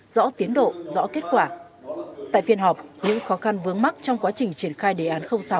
rõ tiến độ rõ kết quả tại phiên họp những khó khăn vướng mắt trong quá trình triển khai đề án sáu